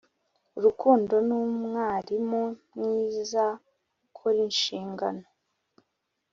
urukundo numwarimu mwiza ukora inshingano